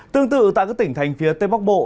tương tự tại các tỉnh thành phía tây bắc bộ